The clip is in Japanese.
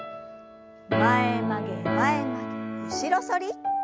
前曲げ前曲げ後ろ反り。